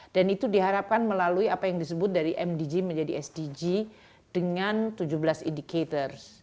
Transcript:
dan itu diharapkan melalui apa yang disebut dari mdg menjadi sdg dengan tujuh belas indicators